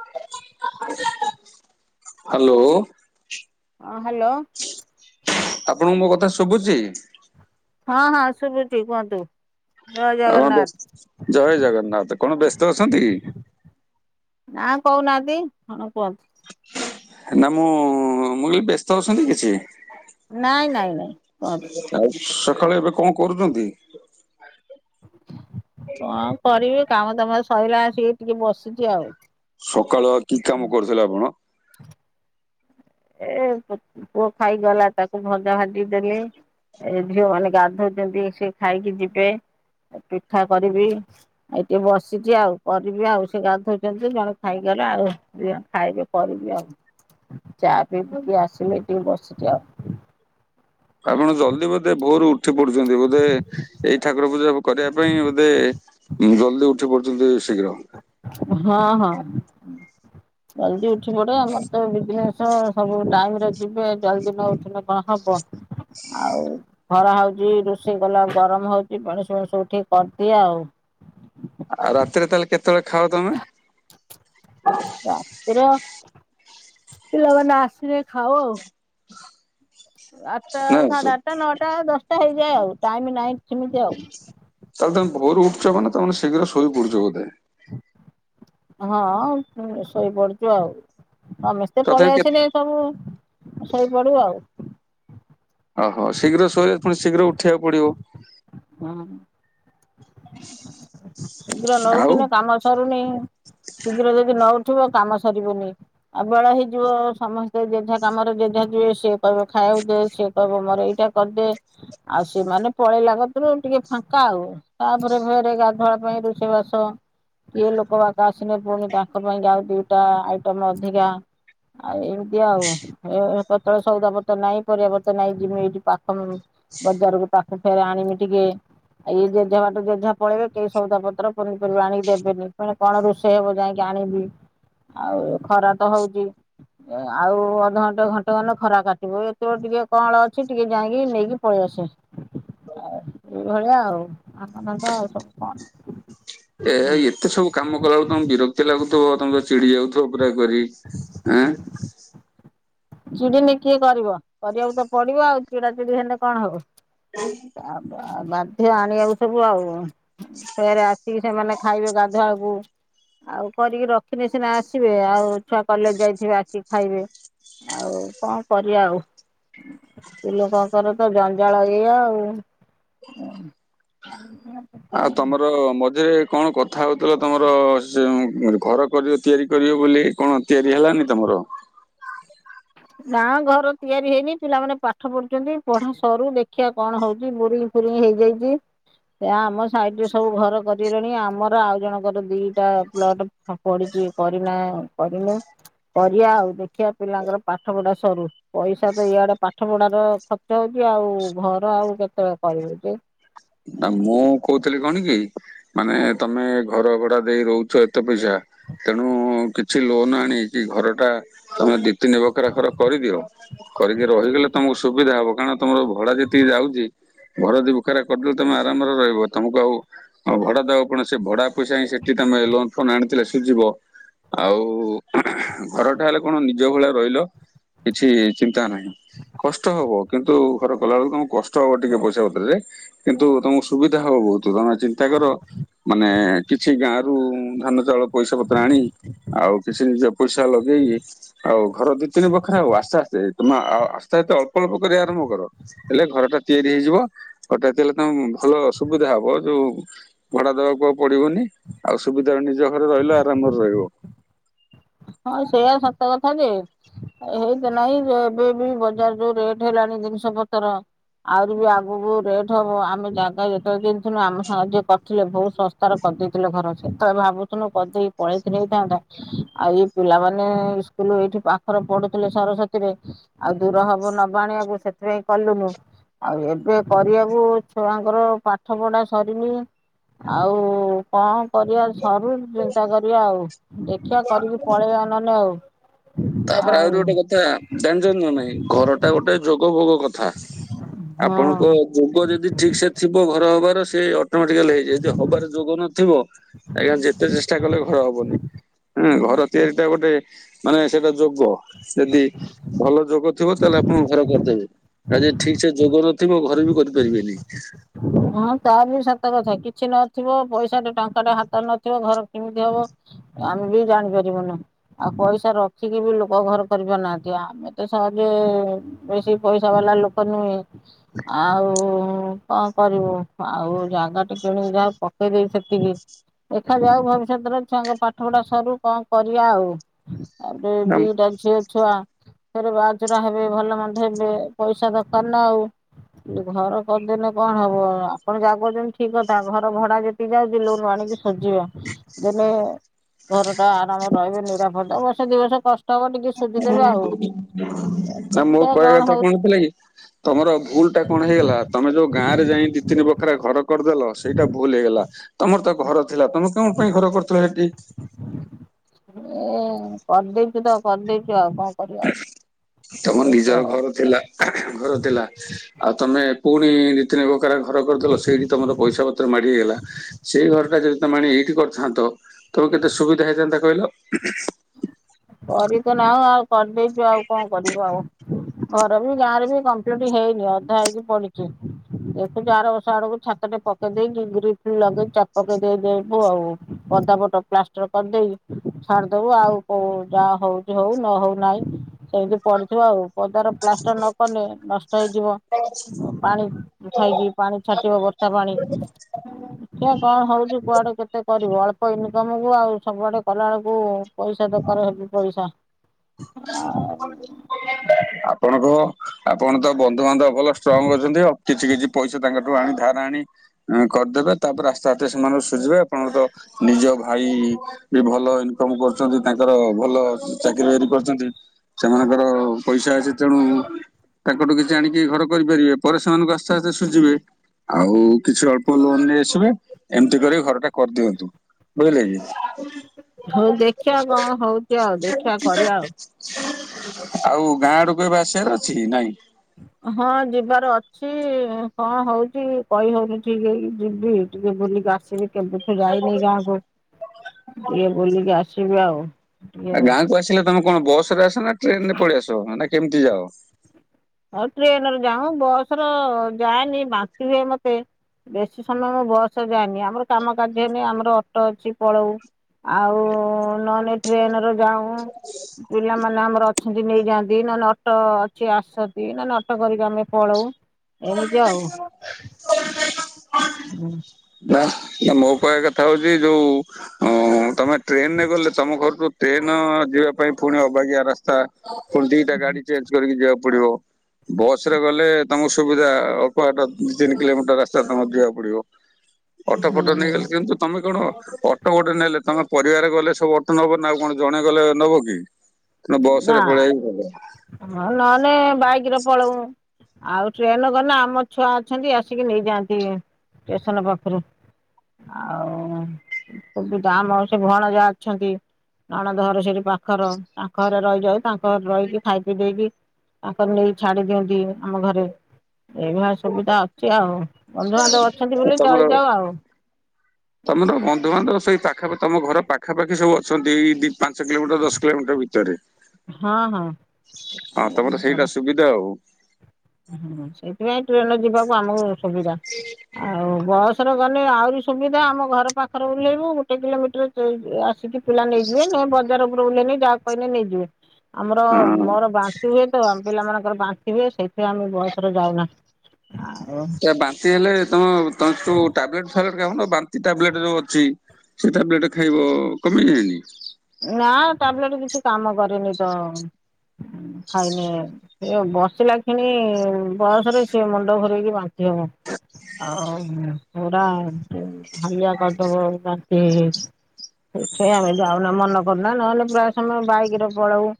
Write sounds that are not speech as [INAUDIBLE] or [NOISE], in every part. Hello. ହଁ hello. ଆପଣଙ୍କୁ ମୋ କଥା ଶୁଭୁଛି? ହଁ ହଁ ଶୁଭୁଛି କୁହନ୍ତୁ। ଜୟ ଆଉ କଣ ଜଗନ୍ନାଥ ବ୍ୟସ୍ତ ଜୟ ଜଗନ୍ନାଥ କଣ ବ୍ୟସ୍ତ ଅଛନ୍ତି କି ନା କହୁନାହାନ୍ତି କଣ କୁହନ୍ତି? ନା ମୁଁ ମୁଁ କହିଲି ବ୍ୟସ୍ତ ଅଛନ୍ତି କିଛି। ନାଇଁ ନାଇଁ ନାଇଁ କୁହନ୍ତୁ। ଆଉ ସକାଳେ ଏବେ କଣ କରୁଛନ୍ତି? କଣ କରିବି କାମ ତମ ସରିଲା ଆସିକି ଟିକେ ବସିଛି ଆଉ। ସକାଳୁଆ କି କାମ କରୁଥିଲେ ଆପଣ? [INAUDIBLE] ଏ ପୁଅ ଖାଇଗଲା ତାକୁ ଭଜା ଭାଜି ଦେଲି। ଏ ଝିଅ ମାନେ ଗାଧଉଛନ୍ତି ସେ ଖାଇକି ଯିବେ ପିଠା କରିବି। ଆଉ ଟିକେ ବସିଛି ଆଉ କରିବି ଆଉ ସେ ଗାଧଉଛନ୍ତି ଜଣେ ଖାଇଗଲେ ଆଉ ଖାଇବେ କରିବି ଆଉ ଚା ପିଇ ପିି ଆସିଲି ଟିକେ ବସିଛିି ଆଉ ଆପଣ ଜଲଦି ବୋଧେ ଭୋରୁ ଉଠି ପଡୁଛନ୍ତି ବୋଧେ ଏଇ ଠାକୁର ପୂଜା କରିବା ପାଇଁ ବୋଧେ। ଜଲଦି ଉଠି ପଡୁଛନ୍ତି ଶୀଘ୍ର। ହଁ ହଁ ଜଲଦି ଉ ଉଠ ପଡେ ଆମର ତ ବିଜନେସ ସବୁ ଟାଇରେ ଯିବେ ଜଲଦି ନଉଠୁ କଣ ହବ? ଆଉ ଖରା ହଉଛି ରୋଷେଇ କଲା ଗରମ ହଉଛି ପେଣିସୁଣି ସବୁଠିକ କରିଦିଏ ଆଉ ଆଉ ରାତରେ ତାଲେ କେତବେଳେ ଖାଅ? ତମେ ରାତିରେ ପିଲାମାନେ ଆସିଲେ ଖାଉ ଆଉ। ଆଠଟା ନା ସାଢ଼େ ସୁ- ଆଠଟା ନଅଟା ଦଶଟା ହେଇଯାଏ ଆଉ ଟାଇମ ନାଇଟ୍ ସେମିତି ଆଉ ତାହେଲେ ତମ ଭୋରୁ ଉଠୁଛ ନା ତା ତମେ ଶୀଘ୍ର ଶୋଇ ପଡୁଛ ବୋଧେ ହଁ ଶୋଇପଡୁଛୁ ଆଉ ସମେସ୍ତେ ତଥାପି ପଳେଇ କେତେ? ଆସିଲେ ସବୁ ସୋଇପଡୁ ଆଉ। ଓହୋ ଶୀଘ୍ର ଶୋଇଲେ ପୁଣି ଶୀଘ୍ର ଉଠିବାକୁ ପଡିବ। ହୁଁ। ଶୀଘ୍ର ଆଉ ନଉଠିନେ କାମ ସରୁନି ଶୀଘ୍ର ଯଦି ନଉଠିବ କାମ ସରୁନି। ଆଉ ବେଳେ ହେଇଯିବ ସମସ୍ତେ ଯେଝା କାମରେ ଜେଝା ଯିବେ ସିଏ କହିବ ଖାଇବାକୁ ଦେ ସିଏ କହିବ ମୋର ଏଇଟା କରିଦେ ଆଉ ସେମାନେ ପଳେଇଲା କତିରୁ ଟିକେ ଫାଙ୍କା ଆଉ। ଘରେ ଫେରେ ଗାଧୁଆଳ ପାଇଁ ରୋଷେଇବାସ। କିଏ ଲୋକ ବାକ ଆସିନେ ପୁଣି ତାଙ୍କ ପାଇଁ ଆଉ ଦିଇଟା ଆଇଟମ ଅଧିକା। ଆଉ ଏମିତି ଆଉ। ଏ କେତଳେ ସଉଦା ପତର ନାହିଁ ପରିବା ପତର ନାହିଁ ଜୀମି ଏଇଠି ପାଖ ବଜାରକୁ ତାକୁ ଫେରେ ଆଣମି ଟିକେ ଇଏ ଯେଝା ଜେଝା ପଳେଇବେ କେହି ସଉଦା ପତ୍ର ପନିପର ଆଣିକି ଦେବେନି ଘରେ କଣ ରୋଷେଇ ହେବ ଯାଇକି ଆଣିବି। ଆଉ ଖରା ତ ହଉଛି। ଆଉ ଅଧଘଣ୍ଟ ଘଣ୍ଟେ ଗନେ ଖରା କାଟିବ ଏତେବେଳେ ଟିକେ କଅଁଳ ଅଛି ଟିକେ ଯାଇକି ନେଇକି ପଳେଇଆସେ। [INAUDIBLE] ଏଇଭଳିଆ ଆଉ ଆଙ୍ଗା ଙ୍ଗା ଆଉ ସବୁ କଣ? ଏ ହେଁ ଏତେ ସବୁ କାମ କଲା ବେଳୁ ତମକୁ ବିରକ୍ତି ଲାଗୁଥିବ ତମେ ତ ଚିଡି ଯାଉଥିବ ପୁରା ଇଏ କରି ଆଁ। ଚିଡିନେ କିଏ କରିବ କରିବାକୁ ତ ପଡିବ ଆଉ ଚିଡ଼ାଚିଡି ହେନେ କଣ ହବ। ଆ ବାଧ୍ୟ ଆଣିବାକୁ ସବୁ ଆଉ। ଫରେ ଆସିକି ସେମାନେ ଖାଇବେ ଗାଧୁଆଲକୁ। ଆଉ କରିକି ରଖିନେ ସିନା ଆସିବେ ଆଉ ଛୁଆ କଲେଜ ଯାଇଥିବେ ଆସିକି ଖାଇବେ। ଆଉ କଣ କରିବା ଆଉ। ସ୍ତ୍ରୀ ଲୋକଙ୍କର ତ ଜଞ୍ଜାଳ ଏଇଆ ଆଉ। ଆଉ ତମର ମଝିରେ କଣ କଥା ହଉଥିଲ ତମର ସେ ଘର କରିବ ତିଆରି କରିବ ବୋଲି କଣ ତିଆରି ହେଲାନି ତମର। ନାଁ ଘର ତିଆରି ହେଇନି ପିଲାମାନେ ପାଠ ପଢୁଛନ୍ତି ପଢା ସରୁ ଦେଖିବା କଣ ହଉଛି ବ ଫୁନି ହେଇଯାଇଛି। ସେ ଆମ ସାଇଡ ରେ ସବୁ ଘର କରିଗଲେଣି ଆମର ଆଉ ଜଣଙ୍କର ଦିଟା ପ୍ଲଟ ପଡିଛି କରିନା କରିନୁ କରିବା ଆଉ ଦେଖିବା ପିଲାଙ୍କର ପାଠ ପଢା ସରୁ। ପଇସା ତ ଇଆଡେ ପାଠ ପଢାର ଖର୍ଚ୍ଚ ହଉଛି ଆଉ ଘର ଆଉ କେତେବେଳେ କରିବେ ଯେ। [UNINTELLIGIBLE] ନା ମୁଁ କହୁଥିଲି କଣ କି ମାନେ ତମେ ଘର ଭଡା ଦେଇ ରହୁଛ ଏତେ ପଇସା ତେଣୁ କିଛି ଲୋନ ଆଣିକି ଘର ଟା ତମେ ତିନି ବଖରା ଘର କରିଦିଅ କରିକି ରହିଗଲେ ତମକୁ ସୁବିଧା ହବ କାରଣ ତମର ଭଡା ଯେତିକି ଯାଉଛି ଘରଦି ବଖରା କରିଦେଲେ ତମେ ଆରାମରେ ରହିବ ତମକୁ ଆଉ ଆଉ ଭଡା ଦବାକୁ ପଡିବନି ସେ ଭଡା ପଇସା ହିଁ ସେଠି ତମେ ଲୋନ ଫୋନ ଆଣିଥିଲେ ସୁଝିବ। ଆଉ ଘରଟା ହେଲେ କଣ ନିଜ ଭଳିଆ ରହିଲ କିଛି ଚିନ୍ତା ନାହିଁ କଷ୍ଟ ହବ କିନ୍ତୁ ଘରେ କଲା ବେଳକୁ ତମ କଷ୍ଟ ହବ ଟିକେ ପଇସା ପତ୍ରରେ। କିନ୍ତୁ ତମକୁ ସୁବିଧା ହବ ବହୁତ ତମେ ଚିନ୍ତା କର ମାନେ କିଛି ଗାଁରୁ ଧାନ ଚାଉଳ ପଇସା ପତ୍ର ଆଣି। ଆଉ କିଛି ନିଜ ପଇସା ଲଗେଇକି ଆଉ ଘର ଦି ତିନି ବଖରେ ଆଉ ଆସ୍ତେ ଆସ୍ତେ ତମେ ଆଉ ଆସ୍ତେ ଆସ୍ତେ ଅଳ୍ପ ଅଳ୍ପ କରି ଆରମ୍ଭ କର। ହେଲେ ଘରଟା ତିଆରି ହେଇଯିବ ହଟାତ ହେଲେ ଭଲସୁବିଧା ହବ ଯୋଉ ଭଡା ଦବାକୁ ପଡିବନି ଆଉ ସୁବିଧା ନିଜକ ଘରେ ରହିଲେ ଆରାମରେ ରହିବ। ହଁ ସେଇଆ ସତ କଥା ଯେ। ହେଇତ ନାଇ ଏବେ ବି ବଜାର ଯୋଉ ରେଟ ହେଲାଣି ଜିନିଷ ପତ୍ର। ଆହୁରି ବି ଆଗକୁ ରେଟ୍ ହବ ଆମେ ଜାଗା ଯେତେବେଳେ ଜିନଥିଲୁ ଆମେ ସାହାଯ୍ୟ କରିଥିଲେ ବହୁତ ଶସ୍ ତାର କରିଦେଇଥିଲେ ଘର ସେ ତମେ ଭାବୁଥଥିଲୁ କରିଦେଇକି ପଳେଇକି ନେଇଥାନ୍ତା ଆଉ ଇ ପିଲାମାନେ ସ୍କୁଲ ଏଇଠି ପାଖରେ ପଢୁଥିଲେ ସରସ୍ଵତୀରେ ଆଉ ଦୂର ହବ ନବା ଆଣିବାକୁ ସେଥିପାଇଁ କଲୁ ନୁ ଆଉ ଏବେ କରିବାକୁ ଛୁଆଙ୍କର ପାଠ ପଢା ସରିନି ଆଉ କଣ କରିବା ସରୁ ଚିନ୍ତା କରିବା ଆଉ ଦେଖିବା କରିବି ପଳେଇବା ନ ହନେ ହଉ ତାପରେ ଆହୁରି ଗୋଟେ କଥା ଜାଣିଛନ୍ତି ନା ନାଇଁ ଘର ଟା ଗୋଟେ ଯୋଗ ଭୋଗ କଥା ହଁ ଆପଣଙ୍କ ଯୋଗ ଯଦି ଠିକ ସେ ଥିବ ଘର ହବାର ସେ ଅଟୋମେଟିକାଲି ହେଇଯ ଯଦି ହବାର ଯୋଗ ନଥିବ ଆଜ୍ଞା ଯେତେ ଚେଷ୍ଟା କଲେ ଘର ହବନି ହୁଁ ଘର ତିଆରି ଟା ଗୋଟେ ମାନେ ସେଟା ଯୋଗ ଯଦି ଭଲ ଯୋଗ ଥିବ ତାହେଲେ ଆପଣ ଘର କରିଦେବେ। ଆ ଠିକ ସେ ଯୋଗ ନଥିବ ଘରେ ବି କରିପାରିବେନି। ହଁ ତା ବି ସତ କଥା କିଛି ନଥିବ ପଇସା ଟଙ୍କା ଟେ ହାତ ନଥିବ ଘର କେମିତି ହବ ଆମେ ବି ଜାଣିପାରିବୁ ନୁ ଆଉ ପଇସା ରଖିକି ବି ଲୋକ ଘର କରିପାରୁ ନାହାନ୍ତି ଆମେ ତ ସହଜ ବେଶୀ ପଇସା ବାଲା ଲୋକ ନୁହେଁ ଆଉ କ କରିବୁ ଆଉ ଜାଗା ଟ କିଣିକି ଯାହା ପକେଇଦେଇ ସେତିକି। ଦେଖାଯାଉ ଭବିଷ୍ୟତରେ ଛୁଆଙ୍କ ପାଠ ପଢା ସରୁ କଣ କରିବା ଆଉ। ତାପରେ ଦିଇଟା ଝିଅ। ଛୁଆ ଫରେ ବାହାଜୁରା ହେବେ ଭଲ ମନ୍ଦ ହେବେ ପଇସା ଦରକାର ନା ଆଉ ଘର କରିଦିନ କଣ ହବ ଆପଣ ଯାଗଛନ୍ତି ଠିକ କଥା ଘର ଭଡା ଯେତିକି ଯାଉଛି ଲୋନୁ ଆଣିକି ଶଜିବା ଦିନେ ଘର ଟା ଆରାମରେ ରହିବେ ନିରାଫଦ ବର୍ଷେ ଦି ବର୍ଷ କଷ୍ଟ ହବ ଟିକେ ସୁଝିଦେବେ ଆଉ। ନା ମୋ ଦେଖିବା କହିବା କଣ କଥା ହଉଛି କଣଥିଲା କି। ତମର ଭୁଲ ଟା କଣ ହେଇଗଲା ତମେ ଯୋଉ ଗାଁରେ ଯାଇ ଦି ତିନି ବଖରାରେ ଘର କରିଦେଲ ସେଇଟା ଭୁଲ ହେଇଗଲା। ତମର ତ ଘର ଥିଲା ତମେ କୋଣ ପାଇଁ ଘର କରୁଥିଲ ସେଠି? ଏ କରିଦେଇଛୁ ତ କରିଦେଇଛୁ ଆଉ କଣ କରିବା ଆଉ। ତମର ଏଇଟା ନିଜର ଘର ଥିଲା। ଘର ଥିଲା ଆଉ ତମେ ପୁଣି ତିନି ବଖରା ଘର କରିଦେଲ ସେଇଠି ତମର ପଇସା ପତ୍ର ମାଡି ହେଇଗଲା ସେଇ ଘର ଟା ଯଦି ତମ ଏଇଠି କରି ଥାନ୍ତ ତମେ କେତେ ସୁବିଧା ହେଇଯନ୍ତା କହିଲ। କରିତୁ ନାହୁଁ ଆଉ କରିଦେଇଛୁ ଆଉ କଣ କରିବୁ ଆଉ ଘର ବି ଗାଁରେ ବି କମ୍ପ ପ୍ଲିଟ ହେଇନି ଅଧା ହେଇକି ପଡିଚି ଦେଖୁଛୁ ଆର ବର୍ଷ ଆଡକୁ ଛାତଟେ ପକେଇ ଦେଇକି ଗ୍ରି ଫ୍ରି ଲଗେଇ ଚାପକେଇ ଦେଇଦବୁ ଆଉ ପଦା ପଟ ପ୍ଲାଷ୍ଟର କରିଦେଇ ଛାଡିଦବୁ ଆଉ ହଉ ଯାହା ହଉଛି ହଉ ନ ହଉ ନାହିଁ ସେମିତି ପଡିଥିବ ଆଉ ପଦାର ପ୍ଲାଷ୍ଟର ନ କଲେ ନଷ୍ଟ ହେଇଯିବ ପାଣି ଖାଇକି ପାଣି ଛାଟିବ ବର୍ଷା ପାଣି। ଆା କଣ ହଉଛି କୁଆଡେ କେତେ କରିବୁ ଅଳ୍ପ ଇନକମକୁ ଆଉ ସବୁଆଡେ କଲା ବେଳକୁ ପଇସା ସେ ଟୋକାର ହେବି ପଇସା ଆ ଆପଣଙ୍କ ଆପଣ ତ ବନ୍ଧୁବାନ୍ଧବ ଭଲ ଷ୍ଟ୍ରଙ୍ଗ ଅଛନ୍ତି ଆଉ କିଛି କିଛି ପଇସା ତାଙ୍କଠୁ ଆଣି ଧାର ଆଣି ହୁଁ କରିଦେବେ ତାପରେ ଆସ୍ତେ ଆସ୍ତେ ସେମାନଙ୍କୁ ସୁଝିବେ ଆପଣଙ୍କ ତ ନିଜ ଭାଇ ବି ଭଲ ଇନକମ କରୁଛନ୍ତି ତାଙ୍କର ଭଲ ଚାକିରୀ ବାକିରି କରିଛନ୍ତି ସେମାନଙ୍କର ପଇସା ଅଛି ତେଣୁ ତାଙ୍କଠୁ କିଛି ଆଣିକି ଘର କରିପାରିବେ ପରେ ସେମାନଙ୍କୁ ଆସ୍ତେ ଆସ୍ତେ ସୁଝିବେ। ଆଉ କିଛି ଅଳ୍ପ ଲୋନ ନେଇ ଆସିବେ ଏମିତି କରି ଘରଟା କରିଦିଅନ୍ତୁ। ବୁଝିଲେ କି? ହଉ ଦେଖିବା କଣ ହଉଛି ଆଉ ଦେଖିବା କରିବା ଆଉ। [UNINTELLIGIBLE] ଆଉ ଗାଁ ଆଡକୁ ଏବେ ଆସିବାର ଅଛି ନାଇଁ। ହଁ ଯିବାର ଅଛି ହଁ ହଉଛି କହିହଉନି ଠିକ ହେଇକି ଯିବି। ଟିକେ ବୁଲିକି ଆସିବି କେବେଠୁ ଯାଇନି ଗାଁକୁ ଟିକେ ବୁଲିକି ଆସିବି ଆଉ। ଟିକେ ଆ ଗାଁକୁ ଆସିଲେ ତମେ କଣ ବସରେ ଆସ ନା ଟ୍ରେନରେ ପଳେଇ ଆସ ନା କେମିତି ଯାଅ? ଆଉ ଟ୍ରେନରେ ଯାଉ ବସରେ ଯାଏନି ବାନ୍ତି ହୁଏ ମତେ। ବେଶୀ ସମୟ ମୁଁ ବସରେ ଯାଏନି ଆମର କାମ କାର୍ଯ୍ୟନି ଆମର ଅଟୋ ଅଛି ପଳଉ। ଆଉ ନହଲେ ଟ୍ରେନରେ ଯାଉ ପିଲାମାନେ ଆମର ଅଛନ୍ତି ନେଇଯାଆନ୍ତି ନହେଲେ ଅଟୋ ଅଛି ଆସନ୍ତି ନହେଲେ ଅଟୋ କରିକି ଆମେ ପଳଉ। ଏମିତି ଆଉ। ନା ମୋ କହିବା କଥା ହଉଛି ଯୋଉ ହଁ ତମେ ଟ୍ରେନରେ ଗଲେ ତମ ଘରକୁୁ ଟ୍ରେନ ଯିବା ପାଇଁ ପୁଣି ଅବାଗିଆ ରାସ୍ ସ୍ତା ପୁଣି ଦିଟା ଗାଡି ଚେଞ୍ଜ କରିକି ଯିବାକୁ ପଡିବ। ବସରେ ଗଲେ ତମ ସୁବିଧା ଅଳ୍ପ ବାଟ, ଦି ତିନି କିଲୋମିଟର ରାସ୍ତା ତମ ଯିବାକୁ ପଡିବ। ଅଟୋ ଫଟ ହୁଁ ନେଇଗଲେ କିନ୍ତୁ ତମେ କଣ ଅଟୋ ଗୋଟେ ନେଲେ ତମେ ପରିବାର ଗଲେ ସବୁ ଅଟୋ ନେବ ନା ଆଉ କଣ ଜଣେ ଗଲେ ନେବ କି? ନା ବସରେ ପଳେଇ ଭଲ। ହଁ ନହେଲେ ବାଇକରେ ପଳଉ। ଆଉ ଟ୍ରେନ ଗଳା ଆମ ଛୁଆ ଅଛନ୍ତି ଆସିକି ନେଇଯାଆନ୍ତି ଷ୍ଟେସନ ପାଖରୁ। ଆଉ ଉପରୁ ଗାଁ ମଉସୀ ଭଣଜା ଅଛନ୍ତି, ନଣନ୍ଦ ଘର ସେଠି ପାଖର। ଆ ଘରେ ରହିଯାଉ ତାଙ୍କ ଘରେ ରହିକି ଖାଇ ପିଇ ଦେଇକି ତାଙ୍କର ନେଇକି ଛାଡି ଦିଅନ୍ତି ଆମ ଘରେ। ଏଇ ଭଳିଆ ସୁବିଧା ଅଛି ଆଉ ବନ୍ଧୁବାନ୍ଧବ ଅଛନ୍ତି ବୋଲି ଚଳିଯାଉ ଆଉ। ତମ ତୋ ବନ୍ଧୁ ଗଣତକ ସେଇ ପାଖାପାଖି ତମ ଘର ପାଖାପାଖି ସବୁ ଅଛନ୍ତି ଏ ଦି ପାଞ୍ଚ କିଲୋମିଟର ଦଶ କିଲୋମିଟର ଭି ଭିତରେ। ହଁ ହଁ। ହଁ ତମର ସେଇଟା ସୁବିଧା ଆଉ। ହୁଁ ସେଇଥିପାଇଁ ଟ୍ରେନରେ ଯିବାକୁ ଆମ ଘର ସୁବିଧା, ଆଉ ବସ ଏଥରେ ଗଲେ ଆହୁରି ସୁବିଧା ଆମ ଘର ପାଖରେ ଓଲ୍ହେଇବୁ ଗୋଟେ କିଲୋମିଟର ଯା ଅ ଆସିକି ପିଲା ନେଇଯିବେ ନ ବଜାର ଉପରକୁ ଓଲ୍ହେଲେ ଯାହା କହିଲେ ନେଇଯିବେ। ଆମର ହଁ। ମୋର ବାନ୍ତି ହୁଏ ତ ଆମ ପିଲାମାନଙ୍କର ବାନ୍ତି ହୁଏ ସେ ସେ ଆମ ବସରେ ଯାଉନା ଆଉ ଏ ବାନ୍ତି ହେଲେ ତମ ତୋ ଟାବ୍ଲେଟ୍ ଫାବେଲ୍ଟ ଖାଉନୁ ବାନ୍ତି ଟାବ୍ଲେଟ୍ ଯୋଉ ଅଛି ସେ ତା ପ୍ଲେଟରେ ଖାଇବ କମି ଯିବନି। ନା ତା ପ୍ଲେଟରେ କିଛି କାମ କରିନି ତ ଖାଇନି। ଏ ବସିଲା ଖିଣୀ ବୟସରେ ସିଏ ମୁଣ୍ଡ ଘୋରେଇକି ବାନ୍ତି ହେବ। ଆଉ ପୁରା ହାଲିଆ କରିଦବ ବାନ୍ତି ହେଇ ହେଇକି। ସେ ଆମେ ଯାଉନା ମନ କରୁନା ନହେଲେ ପ୍ରାୟ ସମୟ ବାଇକରେ ପଳଉ।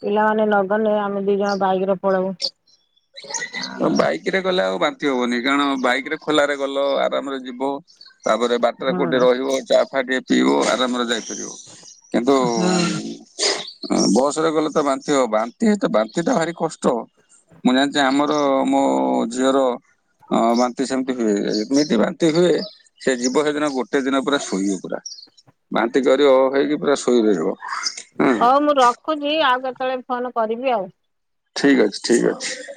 ପିଲାମାନେ ନଗଲେ ଆମେ ଦି ଜଣ ବାଇକରେ ପଳଉ। ଆଉ ବାଇକରେ ଗଲେ ଆଉ ବାନ୍ତି ହବନି କାରଣ ବାଇକରେ ଖୋଲାରେ ଗଲ ଆରାମରେ ଯିବ। ତାପରେ ବାଟରେ ହୁଁ କୋଉଠି ରହିବ ଚା ଫା ଟିକେ ପିଇବ ଆରାମରେ ଯାଇପାରିବ। କିନ୍ତୁ ହୁଁ ଉଁମ ବସରେ ଗଲେ ତ ବାନ୍ତି ହବ, ବାନ୍ତି ହେତ ବାନ୍ତି ଟା ଭାରି କଷ୍ଟ। ମୁଁ ଜାଣିଛି ଆମର ମୋ ଝିଅର ହଁ ବାନ୍ତି ସେମିତି ହୁଏ ଏମିତି ବାନ୍ତି ହୁଏ ସେ ଯିବ ସେଦିନ ଗୋଟେ ଦିନ ପୁରା ଶୋଇବ ପୁରା, ବାନ୍ତି ଜରି ଅ ହେଇକି ପୁରା ଶୋଇ ରହିବ। ହଉ ମୁଁ ରଖୁଛି ଆଉ କେତେବେଳେ ଫୋନ କରିବି ଆଉ। ଠିକ ଅଛି ଠିକ୍ ଅଛି।